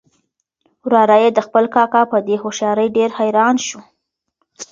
وراره یې د خپل کاکا په دې هوښیارۍ ډېر حیران شو.